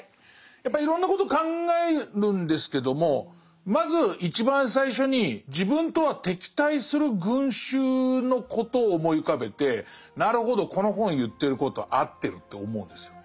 やっぱりいろんなこと考えるんですけどもまず一番最初に自分とは敵対する群衆のことを思い浮かべてなるほどこの本言ってることは合ってると思うんですよ